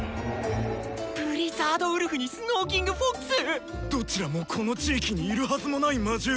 「ブリザードウルフ」に「スノーキングフォックス」⁉どちらもこの地域にいるはずもない魔獣。